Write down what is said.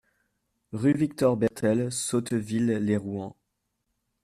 Rue Victor Bertel, Sotteville-lès-Rouen